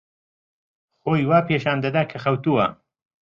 خۆی وا پیشان دەدا کە خەوتووە.